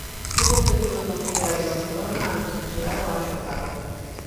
Estivo cedido no filial do Barcelona antes de chegar ao Anxo Carro.